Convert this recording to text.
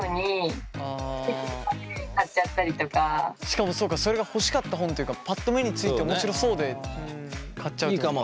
しかもそうかそれが欲しかった本というかパッと目について面白そうで買っちゃうってこと。